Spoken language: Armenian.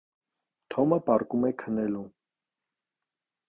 Թոմը պառկում է քնելու։